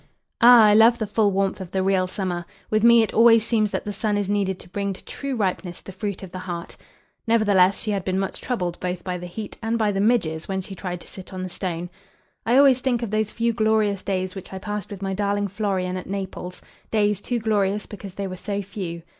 "Ah, I love the full warmth of the real summer. With me it always seems that the sun is needed to bring to true ripeness the fruit of the heart." Nevertheless she had been much troubled both by the heat and by the midges when she tried to sit on the stone. "I always think of those few glorious days which I passed with my darling Florian at Naples; days too glorious because they were so few."